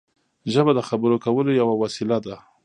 ژبه د خبرو کولو یوه وسیله ده.